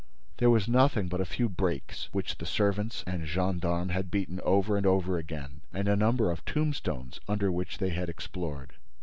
There was nothing but a few brakes, which the servants and the gendarmes had beaten over and over again, and a number of tombstones, under which they had explored.